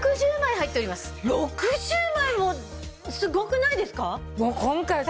６０枚もすごくないですか？